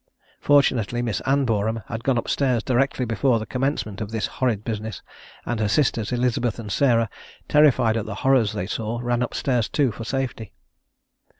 Fortunately Miss Anne Boreham had gone up stairs, directly before the commencement of this horrid business; and her sisters, Elizabeth and Sarah, terrified at the horrors they saw, ran up stairs too, for safety.